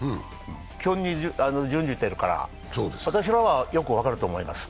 基本に準じているから私らはよく分かると思います。